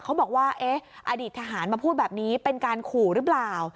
เขาบอกว่าเอ๊ะอดีตทหารมาพูดแบบนี้เป็นการขู่หรือเปล่า